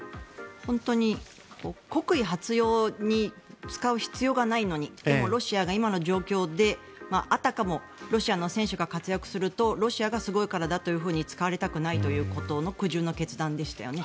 本当に国威発揚に使う必要がないのにロシアが今の状況で、あたかもロシアの選手が活躍するとロシアがすごいからだと使われたくないからということで苦渋の決断でしたよね。